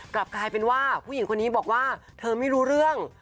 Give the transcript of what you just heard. กลับกลายเป็นว่าผู้หญิงคนนี้บอกว่าเธอไม่รู้เรื่อง